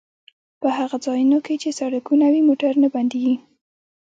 په هغو ځایونو کې چې سړکونه وي موټر نه بندیږي